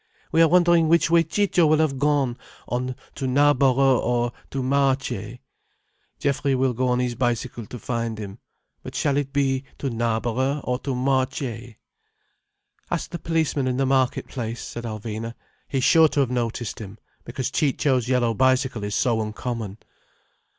We are wondering which way Ciccio will have gone, on to Knarborough or to Marchay. Geoffrey will go on his bicycle to find him. But shall it be to Knarborough or to Marchay?" "Ask the policeman in the market place," said Alvina. "He's sure to have noticed him, because Ciccio's yellow bicycle is so uncommon."